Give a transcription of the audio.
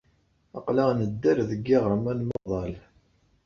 Aql-aɣ nedder deg yiɣrem anmaḍal.